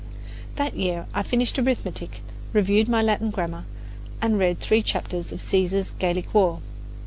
That year I finished arithmetic, reviewed my Latin grammar, and read three chapters of Caesar's "Gallic War."